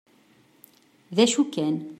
D acu kan.